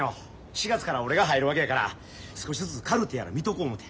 ４月から俺が入るわけやから少しずつカルテやら見とこ思て。